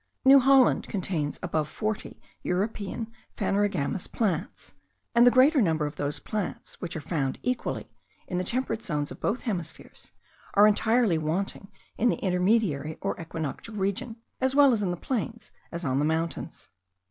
New Holland contains above forty European phanerogamous plants: and the greater number of those plants, which are found equally in the temperate zones of both hemispheres, are entirely wanting in the intermediary or equinoctial region, as well in the plains as on the mountains.